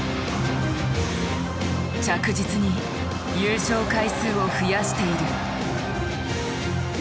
着実に優勝回数を増やしている。